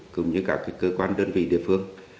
cùng với các cơ quan đơn vị địa phương